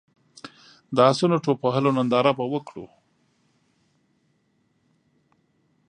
د اسونو ټوپ وهلو ننداره به وکړو.